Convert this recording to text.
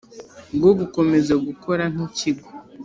bwo gukomeza gukora nki kigo